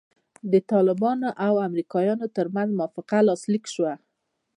د طالبانو او امریکایانو ترمنځ موافقه لاسلیک سوه.